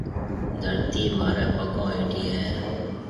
ڌرتِي مهاريَ پڱون هيَٺي هيَ۔